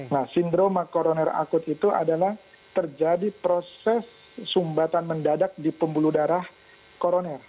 nah sindroma koroner akut itu adalah terjadi proses sumbatan mendadak di pembuluh darah koroner